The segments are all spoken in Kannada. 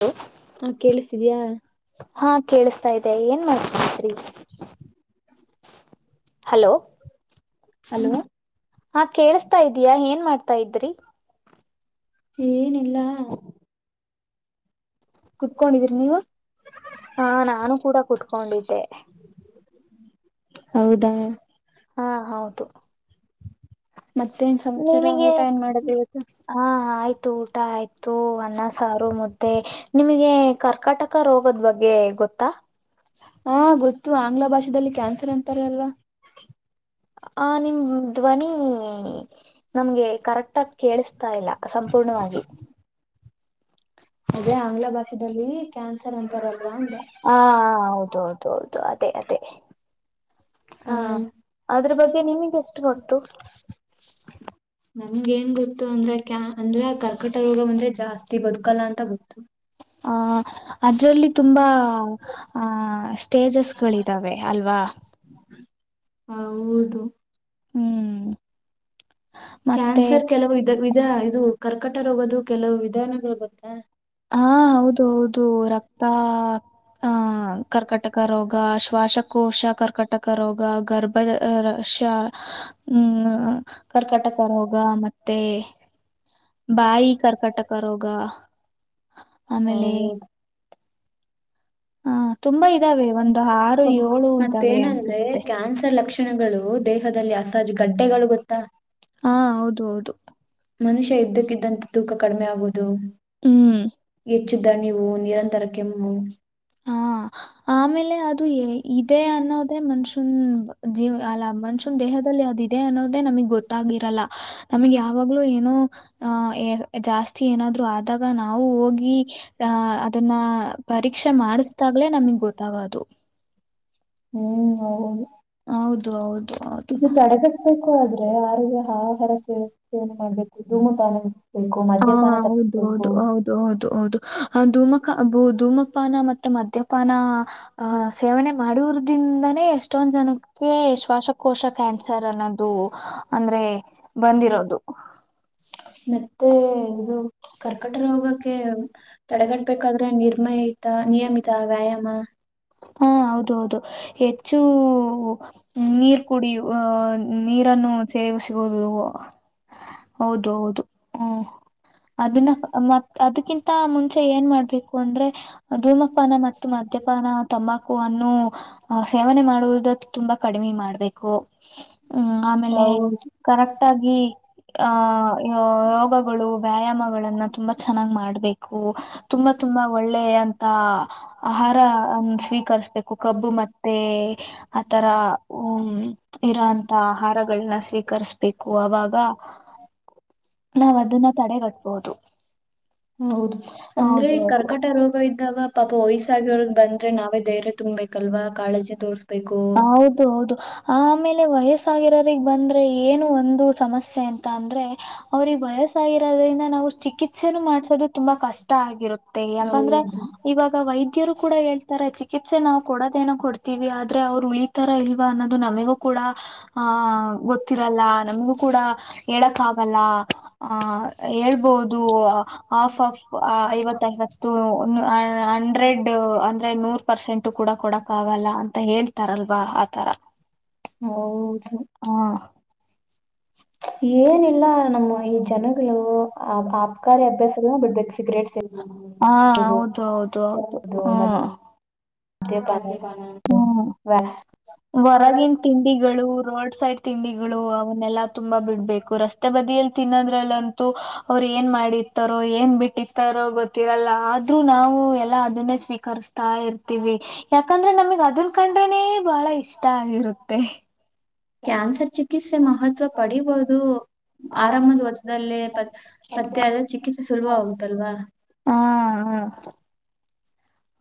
ಹೆಲೋ ಹ ಕೇಳಿಸಿದ್ಯಾ ಹಾ ಕೇಳಿಸ್ತಾ ಇ ಏನ್ ಮಾಡ್ತಾತ್ರಿ ಹಲೋ ಹಲೋ ಹಾ ಕೇಳಸ್ತಾ ಇದೀಯಾ ಏನ್ ಮಾಡ್ತಾ ಇದ್ರಿ ಏನಿಲ್ಲ ಕುತ್ಕೊಂಡಿದೀರಿ ನೀವ ಹಾ ನಾನು ಕೂಡ ಕುತ್ಕೊಂಡಿದ್ದೆ ಹೌದಾ ಹಾ ಹೌದು ಮತ್ತೆನ್ ಸಂಚಾರ ನಿಮಗೆ ಊಟ ಏನ್ ಮಾಡದು ಇವತ್ತು ಹಾ ಆಯ್ತು ಊಟ ಆಯ್ತು ಅನ್ನ ಸಾರು ಮುದ್ದೆ ನಿಮಗೆ ಕರ್ಕಾಟಕ ರೋಗದ ಬಗ್ಗೆ ಗೊತ್ತಾ ಹಾ ಗೊತ್ತು ಆಂಗ್ಲ ಭಾಷೆದಲ್ಲಿ ಕ್ಯಾನ್ಸರ್ ಅಂತಾರಲ್ವಾ ಆ ನಿಮ್ ಧ್ವನಿ ನಮ್ಗೆ ಕರೆಕ್ಟ್ ಕರೆಕ್ಟ್ ಆಗೆ ಕೇಳಿಸ್ತಾ ಇಲ್ಲ ಸಂಪೂರ್ಣವಾಗಿ ಅದೇ ಆಂಗ್ಲ ಭಾಷದಲ್ಲಿ ಕ್ಯಾನ್ಸರ್ ಅಂತಾರಲ್ವಾ ಅಂದೆ ಹಾ ಹೌದು ಹಾ ಅದ್ರ ಬಗ್ಗೆ ನಿಮಗೆ ಎಷ್ಟು ಗೊತ್ತು ಹ್ಮ ನಮಗೆ ಏನು ಗೊತ್ತು ಅಂದ್ರೆ ಕ ಅಂದ್ರ ಕರ್ಕಟ ರೋಗ ಅಂದ್ರೆ ಜಾಸ್ತಿ ಬದುಕಲ್ಲ ಅಂತ ಗೊತ್ತು ಆ ಅದ್ರಲ್ಲಿ ತುಂಬಾ ಸ್ಟೇಜಸ್ ಗಳಿದಾವೆ ಅಲ್ವಾ ಹೌದು ಹ್ಮ್ ಮತ್ತೆ ಕ್ಯಾನ್ಸರ್ ಕೆಲವು ಇದ ವಿ ಇದು ಕರ್ಕಟ ರೋಗದು ಕೆಲವು ವಿಧಾನಗಳು ಗೋತ್ತಾ ಹಾ ಹೌದು ಹೌದು ರಕ್ತ ಆ ಕರ್ಕಟಕ ರೋಗ ಶ್ವಾಸಕೋಶ ಕರ್ಕಟಕ ರೋಗ ಗರ್ಭದ ರಕ್ಷ ಹ್ಮ್ ಕರ್ಕಟಕ ರೋಗ ಮತ್ತೆ ಭಾಯಿ ಬಾಯಿ ಕರ್ಕಟಕೋಗ ಹ್ಮ ಹ [unintelligible] ತುಂಬಾ ಇದಾವೆ ಒಂದು ಆರು ಏಳು ಇದಾವೆ ಮತ್ತೇನಂದ್ರೆ ಅನ್ಸುತ್ತೆ ಕ್ಯಾನ್ಸರ್ ಲಕ್ಷಣಗಳು ಅವು ದೇಹದಲ್ಲಿ ಅಸಹಜ ಗಡ್ಡೆಗಳು ಗೊತ್ತಾ? ಹಾ ಹೌದು ಹೌದು ಮನುಷ್ಯ ಇದ್ದಕ್ಕಿದ್ದಂತೆ ತೂಕ ಕಡಿಮೆ ಆಗುವುದು ಹ್ಮ್ ಹೆಚ್ಚಿದ್ದ ನೀವು ನಿರಂತರ ಕೆಮ್ಮು ಹಾ ಆಮೇಲೆ ಅದು ಇದೆ ಅನ್ನೋದೇ ಮನ್ಷ್ಯನ್ ಜೀವ ಅಲ್ಲ ಮನ್ಷ್ಯನ್ ದೇಹದಲ್ಲಿ ಅದ ಇದೆ ಅನ್ನೋದೇ ನಮಗ್ ಗೊತ್ತಾಗಿರಲ್ಲ ನಮಗೆ ಯಾವಾಗ್ಲೂ ಏನೋ ಆ ಜಾಸ್ತಿ ಏನಾದ್ರು ಆದಾಗ ನಾವು ಹೋಗಿ ಆ ಅದನ್ನ ಪರ ಪರಿಕ್ಷೆ ಮಾದಿಸ್ತಾಗಲೇ ನಮಗ್ ಗೊತ್ತಾಗೋದು ಹ್ಮ್ ಹೌದು ಹೌದು ಹೌದು ಹೌದು ಇದು ತಡೆಗಟ್ಬೇಕು ಆದ್ರೆ ಆರೋಗ್ಯ ಆಹಾರ ಸೇವ ಸೇವನೆ ಮಾಡ್ಬೇಕು ಧೂಮಪಾನ ಬಿಡಿಸ್ಬೇಕು ಹಾ ಮದ್ಯಪಾನ ಹೌದು ತಪ್ಪಿಸ್ಬೇಕು ಹೌದು ಹೌದು ಹೌದು ಹೌದು ಧೂಮಕ ಧೂಮ ಪಾನ ಮತ್ತೆ ಮದ್ಯಪಾನ ಹ ಸೇವನೆ ಮಾಡುವುದದಿಂದ ನ ಎಷ್ಟೊಂದು ಜನ ದಕ್ಕೆ ಶ್ವಾಸಕೋಶ ಕ್ಯಾನ್ಸರ್ ಅನ್ನೋದು ಅಂದ್ರೆ ್ಮ ಬಂದಿ ಬಂದಿರೋದು ಮತ್ತೆ ಇದು ಕರ್ಕಟ ರೋಗಕ್ಕೆ ತಡೆಗಟ್ಬೇಕಾದ್ರೆ ನಿರ್ಮಯಿತ ನಿಯಮಿತ ವ್ಯಾಯಾಮ ಹಾ ಹೌದು ಹೌದು ಹೆಚ್ಚು ಹ [unintelligible] ನೀರ್ ಕುಡಿಯು ಅಹ ನೀರನ್ನು ಸೇವಿಸ [inaudible] ಹೌದು ಹೌದು ಹ್ಮ ಅದನ್ನ ಮ ಅದಕ್ಕಿಂತ ಮುಂಚೆ ಏನ್ ಮಾಡ್ಬೇಕು ಅಂದ್ರೆ ಧೂಮಪಾನ ಮತ್ತು ಮದ್ಯಪಾನ ತಂಬಾಕು ಕು ಅನ್ನು ಸೇವನೆ ಮಾಡುವುದ ತುಂಬಾ ಕಡಿಮೆ ಮಾಡ್ಬೇಕು ಹ್ಮ್ ಆಮೇಲೆ ಹೌದು ಕರೆಕ್ಟ್ ಆಗಿ ಆಹ ರೋಗಗಳು ವ್ಯಾಯಾಮಗಳನ್ನ ತುಂಬಾ ಚೆನ್ನಾಗಿ್ ಮಾಡ್ಬೇಕು ತುಂಬಾ ತುಂಬಾ ಒಳ್ಳೆ ಅಂತ ಆಹಾರ ಅ ಸ್ವೀಕ ು ಕಬ್ಬು ಮತ್ತೆ ಆತರ ಹ ಇರೋಂತ ಆಹಾರಗಳನ್ನ ಸ್ವೀಕರಿಸ್ಬೇಕು ಅವಾಗ ನಾವ ಅದನ್ನ ತಡೆಗಟ್ಬಹುದು ಹೌದು ಅಂದ್ರೆ ಕರ್ಕಟ ರೋಗ ಇದ್ದಾಗ ಪಾಪ ವಯಸ್ಸಾಗಿರ್ಗ್ ಬಂದ್ರೆ ನಾವೇ ಧೈರ್ಯ ತುಂಬ್ಬೇಕಲ್ವಾ ಕಾಳಜಿ ತೋರ್ಸ್ ಹೌದು ಹೌದು ಆಮೇಲೆ ವಯಸ್ಸಾಗಿರೋಗ್ ಬಂದ್ರೆ ಏನು ಒಂದು ಸಮಸ್ಯೆ ಸಮಸ್ಯೆ ಎಂತ ಅಂದ್ರೆ ಅವ್ರಿಗೆ ವಯಸ್ಸಾಗಿರೋದ್ರಿಂದ ನಾವು ಚಿಕಿತ್ಸೆನ ಮಾಡ್ಸೋದು ತುಂಬಾ ಕಷ್ಟ ಆಗಿರುತ್ತೆ ಯಾಕಂದ್ರೆ ಇವಾಗ ವೈದ್ಯ ವೈದ್ಯರು ಕೂಡ ಹೌದು ಹೇಳ್ತಾರೆ ಚಿಕಿತ್ಸೆ ನಾವು ಕೊಡೋದೇನ ಕೊಡ್ತೀವಿ ಆದ ಅವರು ಉಳಿತರ ಇಲ್ವಾ ಅನ್ನೋದು ನಮಗೂ ಕೂಡ ಆ ಆಹ್ ಗೊತ್ತಿರಲ್ಲ ನಮಗೂ ಕೂಡ ಹೇಳಕ್ ಆಗಲ್ಲ ಹೇಳಕ್ಕಾಗಲ್ಲ, ಅ ಹೇಬಹುದು ಹೇಳ್ಬೋದು. ಆಫ್ ಆಫ್ ಐವತ್ತೈವತ್ತು ಹಂಡ್ರೆಡ್ ಅಂದ್ರೆ ನೂರ್ ಪರ್ಸೆಂಟ್ ಕೂಡ ಕೊಡಕ ಆಗಲ್ಲ ಮಂತ ಹೇಳ್ತಾರಲ್ವಾ ಆತರ ಹೌದು ಹ ಏನಿಲ್ಲ ನಮ್ಮ ಈ ಜನಗಳು ಆ ಆಬಕಾರಿ ಅಭ್ಯಾಸಗಳ ಬಿಡ್ಬೇಕು ಹಾ ಸಿಗ್ರೇಟ್ಸ್ದು ಹೌದು ಹೌದು ಹೌದು ಮ ಹ್ಮ್ ಹ್ಮ್ ಹೊರಗಿನ ತಿಂಡಿಗಳು ರೋಡ್ ಸೈಡ್ ತಿಂಡಿಗಳು ಅವನ್ನೆಲ್ಲಾ ತುಂಬಾ ಬಿಡ್ಬೇಕು ರಸ್ತೆ ಬದಿಯಲ್ಲಿ ತಿನ್ನೋದ್ರಲ್ಲಂತೂ ಅವರು ಏನ್ ಮಾಡಿತಾರೋ ಏನ್ ಬಿಟ್ಟಿತ್ತಾರೋ ಗೊತ್ತಿರಲ್ಲ ಆದ್ರೂ ನಾವು ಎಲ್ಲಾ ಅದನ್ನೇ ಸ್ವೀಕಸ್ತಾ ಇರ್ತಿೀವಿ ಯಾಕಂದ್ರೆ ನಮಗ್ ಅದನ್ ಕಂಡ್ರನೇ ಬಹಳ ಇಷ್ಟ ಆಗಿರುತ್ತೆ ಕ್ಯಾನ್ಸರ್ ಚಿಕಿತ್ಸೆ ಮಹತ್ವ ಪಡಿಬಹುದು ಆರಾಮದ ಹೊತ್ತದಲ್ಲೇ ಪತ್ ಪತ್ತೆ ಆದ ಚಿಕಿತ್ಸೆ ಸುಲಭ ಆಗುತ್ತಲ್ವಾ ಹಾ ಹ ಹಾ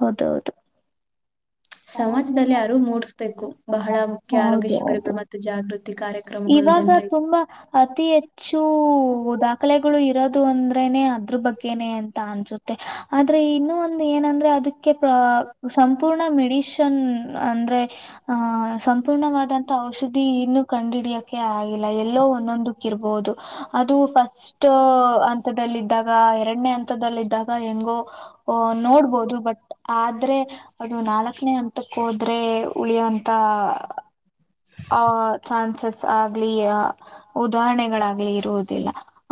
ಹೌದೌದು ಸಮಾಜದಲ್ಲಿ ಅರಿವು ಮೂಡಿಸ್ಬೇಕು ಬಹಳ ಮುಖ್ಯ ಆರೋಗ್ಯ ಹೌದು ಹೌದು ಶಿಬಿರಗಳು ಮತ್ತು ಜಾಗೃತಿ ಕಾರ್ಯಕ್ರಮಗಳು ಇವಾಗ ಜನರಿಗೆ. ತುಂಬಾ ಅತಿ ಹೆಚ್ಚು ದಾಖಲೆಗಳು ಇರೋದು ಅಂದ್ರೇನೆ ಅದ್ರ ಬಗ್ಗೆನೆ ಅಂತ ಅನ್ಸುತ್ತೆ ಆದ್ರೆ ಇನ್ನು ಒಂದು ಏನಂದ್ರೆ ಅದಕ್ಕೆ ಸಂಪೂರ್ಣ ಮೆಡ ಷ ಅಂದ್ರೆ ಆಹ ಸಂಪೂರ್ಣವಾದಂತ ಔಷಧಿ ಇನ್ನು ಕಂಡುಹಿಡಿಯಕ ಆಗಿಲ್ಲ ಎಲ್ಲೋ ಒಂದೊಂದಕ್ಕ ಇರ್ಬೋುದು ಅದು ಫಸ್ಟ್ ಹಂತದಲ್ಲಿದ್ದಾಗ ಎರಡನೇ ಹಂತದಲ್ಲಿದ್ದಾಗ ಹೆಂಗೋ ಓ ನೋಡ್ಬೋದು ಬಟ್ ಆದ್ರೆ ಅದು ನಾಲ್ಕು ಚತ್ನೆ ಅಂತಕ್ಕ ಹೋದ್ರೆ ಉಳಿಯಂತ ಆ ಚಾನ್ಸಸ್ ಆಗ್ಲಿಯ ಉದಾಹರಣೆಗಳಾಗ್ಲಿೇ ಇರುವುದು ಲ್ಲ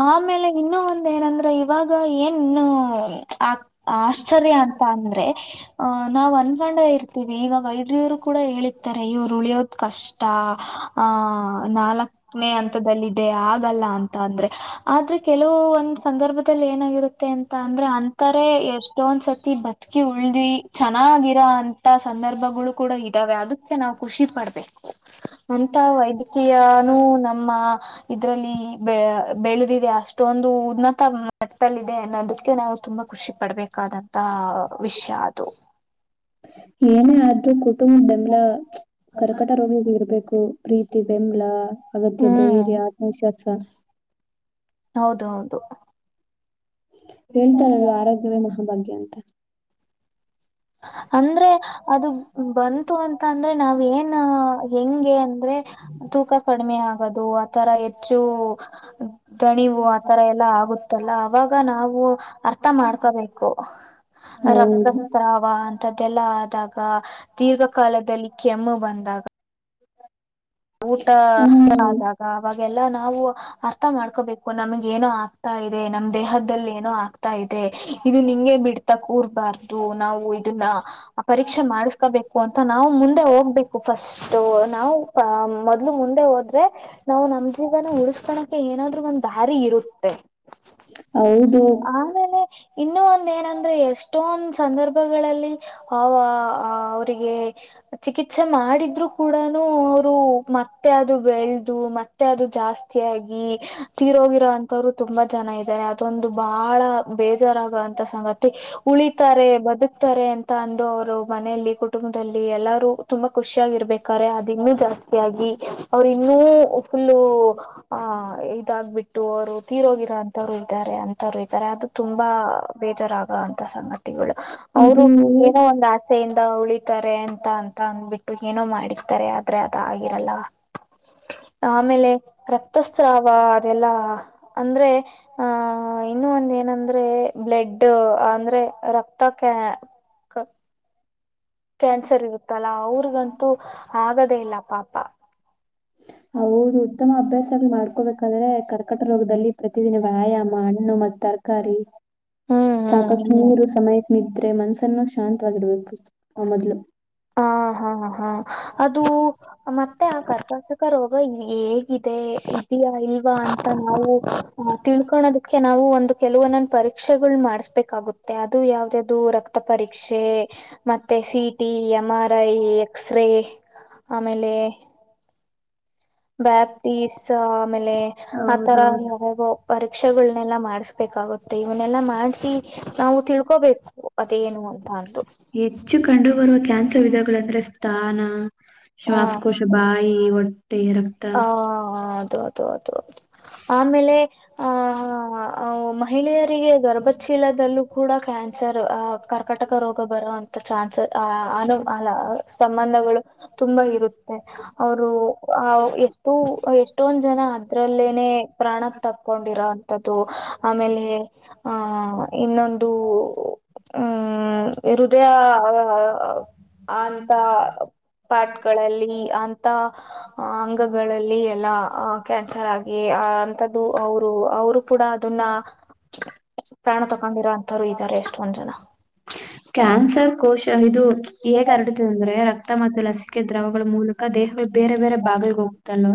ಆಮೇಲೆ ಇನ್ನುೂ ಒಂದ ಏನಂದ್ರೆ ಇವಾಗ ಏನ್ ಆ ಆಶ್ಚರ್ಯ ಅಂತ ಅಂದ್ರೆ ಆ ನಾವ್ ಅನ್ಕೊಂಡ ಇರ್ತೀವಿ ಈಗ ವೈದ್ಯರು ಕೂಡ ಹೇಳಿತಾರೆ ಇವ್ರು ಉಳಿಯೋದ್ ಕಷ್ಟ ಆ ನಾಲ್ಕನೇ ಹಂತದಲ್ಲಿದೆ ಅ ಲ್ಲ ಅಂತ ಅಂದ್ರೆ ಆದ್ರೆ ಕೆಲವು ಒಂದ್ ಸಂದರ್ಭದಲ್ಲಿ ಏನಾಗಿರುತ್ತೆ ಅಂತ ಅಂದ್ರೆ ಅಂತಾರೆ ಎಷ್ಟೊಂದ್ಸತಿ ಬತ್ಕಿ ಉಳ್ದಿ ಚೆನ್ನಾಗಿರ ಅಂತ ಸಂದರ್ಭಗಳು ಕೂಡ ಇದ್ದಾವೆ ಅದಕ್ಕೆ ನಾವು ಖುಷಿ ಪಡ್ಬೇಕು. ಅಂತ ವೈದ್ಯಕೀಯನೂ ನಮ್ಮ ಇದ್ರಲ್ಲಿ ಬೆ ಬೆಳೆದಿದೆ ಅಷ್ಟೊಂದು ಉನ್ನತ ಮಟ್ಟದಲ್ಲ ಇದೆ ಅನ್ನೋದಕ್ಕೆ ನಾವು ತುಂಬಾ ಖುಷಿ ಪಡ್ಬೇಕು. ಏನೇ ಆದ್ರೂ ಕುಟುಂಬ ಬೆಂಬಲ ಕರ್ಕಟ ರೋಗದಲ್ಲಿರು. ಬೇಕು ಪ್ರೀತಿ ಬೆಂಬ್ಲ. ಅಗತ್ಯ ಧೈರ್ಯ ಆತ್ಮವಿಶ್ವಾಸ. ಹೌದ ಹೌದು [inaudible] ಅಂದ್ರೆ ಅದು ಬಂತು ಅಂತ ಅಂದ್ರೆ ನಾವ್ ಏನ್ ಹೆಂಗೆ ಅಂದ್ರೆ ತೂಕ ಕಡಿಮೆ ಆಗದು ಆತರ ಹೆಚ್ಚು ದಣಿವು ಆತರ ಎಲ್ಲ ಆಗುತ್ತಲ್ಲ ಅವಾಗ ನಾವು ಅರ್ಥ ಮಾಡ್ಕೋಬೇಕು. ಹೌದು ಅವಾ ಅಂತದ್ದೆಲ್ಲ ಆದಾಗ. ದೀರ್ಘಕಾಲದಲ್ಲಿ ಕೆಮ್ಮು. ಬಂದಾಗ ಊಟ ಹ್ಮ್ ಆದಾಗ ಅವಾಗ. ಎಲ್ಲ ನಾವು ಅರ್ಥ ಮಾಡ್ಕೋಬೇಕ್. ಓ ನಮಗೆ ಏನೋ ಆಗ್ತಾ ಇದೆ. ಇದೆ ನಮ್ ದೇಹದಲ್ಲಿ ಏನೋ ಆಗ್ತಾ ಇದೆ. ಇದು ನಿಂಗೆ. ದು ನಾವು ಇದನ್ನ. ಪರೀಕ್ಷೆ ಮಾಡ್ಸಕಬೇಕು ಅಂತನ್ ನಾವು ಮುಂದೆ ಹೋಗ್ಬೇಕು ಫರ್ಸ್ಟ್ ನಾವು. ಆ ಮೊದ್ಲು ಮುಂದೆ ಹೋದ್ರೆ ನಾವು ನಮ್ ಜೀವನ ಉಳಸ್ಕೊಳಕೆ ಏನಾದ್ರು ಒಂದ್ ದಾರಿ ಇರುತ್ತೆ. ಹೌದು ಆಮೇಲೆ. ಇನ್ನು ಒಂದ್ ಏನಂದ್ರೆ ಎಷ್ಟೊಂದ ಸಂದರ್ಭಗಳಲ್ಲಿ. ದು ಮತ್ತೆ ಅದು ಬೆಳೆದು ಮತ್ತೆ ಅದು ಜಾಸ್ತಿ ಆಗಿ ತೀರ ಹೋಗಿರೊ ಅಂತವ್ರು ತುಂಬಾ ಜನ ಇದಾರೆ ಅದೊಂದು ಬಹಳ ಬೇಜಾರಾಗುವಂತ ಸಂಗತಿ ಉಳಿತಾರೆ ಬದುಕ್ತಾರೆ ಅಂತ ಅಂದು ಅವರು ಮನೆಯಲ್ಲಿ ಕುಟುಂಬದಲ್ಲಿ ಎಲ್ಲಾರೂ ತುಂಬಾ ಖುಷಿಯಾಗಿರ್ಬೇಕು. ಕರೆ ಅದ್ ಇನ್ನು ಜಾಸ್ತಿ ಯಾಗಿ ಅವರ್ ಇನ್ನ ಫುಲ್ಲು. ಇದ್ದಾರೆ ಅಂತರು ಇದ್ದಾರೆ ಅದು ತುಂಬಾ ಬೇಜರಾಗ ಅಂತ ಸಂಗತಿ. ಅವರು ಇದು ಏನೋ ಒಂದ್ ಆಸೆ ಉಳಿತಾರೆ ಅಂತ ಅಂತ ಅಂದ್ಬಿಟ್ಟು ಏನೋ ಮಾಡಿತಾರೆ ಆದ್ರೆ ಅ ಆಗಿರಲ್ಲ ಆಮೇಲೆ ರಕ್ತಸ್ರಾವ ಅದೆಲ್ಲಾ ಅಂದ್ರೆ ಆ ಆ ಇನ್ನು ಒಂದ ಏನಂದ್ರೆ ಬ್ಲಡ್ ಅಂದ್ರೆ ರಕ್ತಕ್ಕೆ ಕ್ಯಾನ್ಸರ್ ಇರುತ್ತಲ್ಲ ಅವ್ರಿಗಂತೂ ಆಗದೇ ಇಲ್ಲ ಪಾಪ ಹ್ಮ್ ಹೌದು ಉತ್ತಮ ಅಭ್ಯಾಸ ಮಾಡ್ಕೋಬೇಕಾದ್ರೆ ಕರ್ಕಟ ರೋಗದಲ್ಲಿ ಪ್ರತಿದಿನ ವ್ಯಾಯಾಮ ಹಣ್ಣು ಮ ತರಕಾರಿ ಸಾಕಷ್ಟು ಹ್ಮ್ ನೀರು ಸಮಯ ನಿಿದ್ರೆ ಮನ್ಸ ನ್ನು ಶಾಂತವಾಗಿಡಬೇಕು ಹಾ ಹಾ ಹಾ ಅದು ಮತ್ತೆ ಆ ಕರ್ಕಾಟಕ ರೋಗ ಹೇಗಿದೆ ಇದೆಯಾ ಇಲ್ವಾ ಅಂತ ನಾವು ಆ ತಿಳ್ಕೊಳೋದಕ್ಕೆ ನಾವು ಒಂದು ಎಲುವ ನನ್ನ ಪರಿ ಪರಕ್ಷೆಗಳು ಮಾಡಿಸ್ಬೇಕಾಗುತ್ತೆ ಅದು ಯಾವುದು ರಕ್ತ ಪರೀ ಮತ್ತೆ CT M R I X ಆಮೇಲೆ ಬ್ಯಾಪ್ಟೀಸ್ ಆಮೇಲೆ ಆತರ ಹೌದೌದು ಯಾವೋ ಪರೀಕ್ಷೆಗಳನೆೆಲ್ಲ ಮಾಡಸ್ಬೇಕಾಗುತ್ತೆ ಮತ್ತ ಇವನ್ನೆಲ್ಲಾ ಮಾಡ್ಸಿ ನಾವು ತಿಳ್ಕೋಬೇಕು ಅದೇನು ಅಂತ ಅಂದು ವಿಧಗಳುಂದ್ರೆ ಸ್ಥಾನ ಹ ಶ್ವಾಸಕ ಶಬಾಯ ವಟ್ಟೆ ರಕ್ತ ಹ [unintelligible] ಆಮೇಲೆ [unintelligible] ಮಹಿಳೆಯರಿಗೆ ಗರ್ಭಚೀಲದಲ್ಲೂ ಕೂಡ ಕ್ಯಾನ್ ರ್ ಕರ್ಕಟಕ ರೋಗ ಬರುವಂತ ಚಾನ್ಸಸ್ ಅ ಅನು ಅಲ್ಲ ಸಂಬಂಧಗಳು ತುಂಬಾ ಇರುತ್ತೆ ಅವರು ಆ ಎಷ್ಟು ಎಷ್ಟೊಂದ್ ಜನ ಅದ್ರಲ್ಲೇನೆ ಪ್ರಾಣಕ್ ತಕೊಂಡಿರೋಂಥದ್ದು ಆಮೇಲೆ ಹಾ ಇನ್ನೊಂದು ಹ್ಮ ಹೃದಯ ಅಂತ ಪಾರ್ಟಗಳಲ್ಲಿ ಅಂತ ಅಂಗಗಳಲ್ಲಿ ಎಲ್ಲ ಅ ಕ್ಯಾನ್ಸರ್ ಆಗಿ ಅ ಅಂತದ್ದು ಅವರು ಅವರು ಕೂಡ ಅದನ್ನ ಪ್ರಾಣ ತಕೊಂಡಿರೋ ಅಂತವ್ರು ಇದ್ದಾರೆ ಎಷ್ಟೊಂದ್ ಜನ ಕ್ಯಾನ್ಸರ್ ಕೋಶ ಇದು ಹೇಗ ಹರಡ ಅಂದ್ರೆ ರಕ್ತ ಮಾ [unintelligible] ಬೇರೆ ಬೇರೆ ಭಾಗಗಳಿಗೆ ಹೋಗ್ತಲ್ವಾ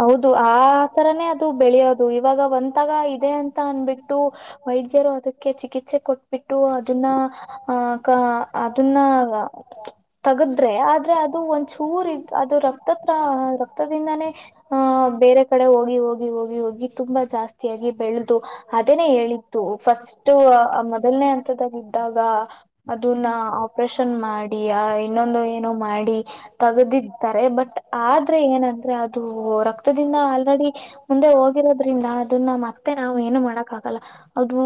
ಹೌದು ಆ ಆಥರನೇ ಅದು ಬೆಳೆಯೋದು ಇವಾಗ ಒಂದ ತ್ತಾಗ ಇದೆ ಅಂತ ಅನ್ಬಿಟ್ಟು ವೈದ್ಯರು ಅದಕ್ಕೆ ಚಿಕಿತ್ಸ ರಿ ಕೊಟ್ಟ ಬಿಟ್ಟು ಅದನ್ನ ಆ ಕ ಅದನ್ನ ತಗ್ದು ಆದ್ರೆ ಅದು ಒಂದ್ ಚೂರು ಅದು ರಕ್ತತ್ರ ರಕ್ತದಿಂದಾನೇ ಆಹ ಬೇರೆ ಕಡೆ ಹೋಗಿ ಹೋಗಿ ಹೋಗಿ ಹೋಗಿ ತುಂಬಾ ಜಾಸ್ತಿಯಾಗಿ ಬೆಳೆದು ಅದನೇ ಹೇಳಿತ್ತು ಫಸ್ಟ್ ಅಷ್ಟು ಮೊದಲನೇ ಅಂತದ್ದಾಗ ಾಗ ಅದನ್ನ ಆಪರೇಷನ್ ಮಾಡಿ ಆ ಇನ್ನೊಂದು ಏನೋ ಮಾಡಿ ತಗದಿದ್ದಾರೆ ಬಟ್ ಆದ್ರೆ ಏನಂದ್ರೆ ಅದು ರಕ್ತದಿಂದ ಆಲ್ರೆಡಿ ಮುಂದೆ ಹೋಗಿರೋದ್ರಿಂದ ಅದನ್ನ ಮತ್ತೆ ನಾವು ಏನು ಮಾಡಕ್ ಆಗಲ್ಲ ಅದು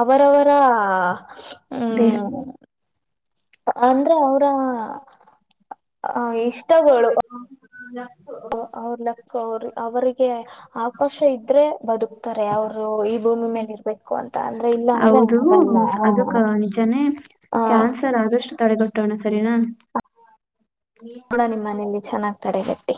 ಅವರವರ ದೇಹ ಹ್ಮ್ ಅಂದ್ರೆ ಅವ್ರ ಇಷ್ಟಗಳು ಹ್ಮ [unintelligible] ಅವಕ್ಕ ಅವ ಅವರಿಗೆ ಆವಕಾಶ ಇದ್ರೆ ಬದುಕ್ ತಾರೆ ಅವ್ರು ಈ ಭೂಮಿ ಮೇಲೆ ಇರ್ಬೇಕು ಅಂತ ಅಂದ್ರೆ ಇಲ್ಲ ಅಂದ್ರೆ ಹೌದು ಆಗಲ್ಲ ಅದಕ್ಕ ನಿಜಾನೇ ಹ ಕ್ಯಾನ್ಸರ್ ಆದಷ್ಟು ಹ ತಡೆಗೊಟ್ಟೋಣ ಸರಿನಾ ಹೋಣ ನಿಮ್ಮ್ ಮನೆಯಲ್ಲಿ ಚೆನ್ನಾಗ್ತಡೆಗಟ್ಟಿ